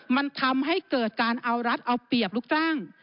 มันทำให้เกิดการเอารัฐเอาเปรียบลูกจ้าง